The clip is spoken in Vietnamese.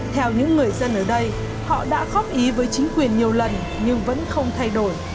theo những người dân ở đây họ đã góp ý với chính quyền nhiều lần nhưng vẫn không thay đổi